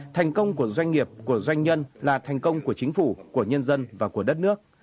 thành công của doanh nghiệp của doanh nhân là thành công của chính phủ của nhân dân và của đất nước